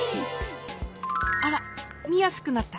あらみやすくなった。